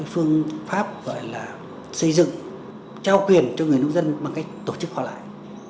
phương pháp gọi là xây dựng trao quyền cho người nông dân bằng cách tổ chức họ lại